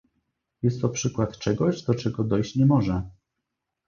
Jest to przykład czegoś, do czego dojść nie może!